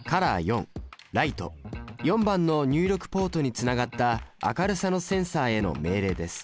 ４番の入力ポートにつながった明るさのセンサへの命令です。